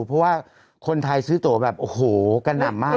เพราะว่าคนไทยซื้อตัวแบบโอ้โหกระหน่ำมาก